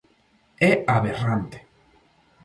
É aberrante.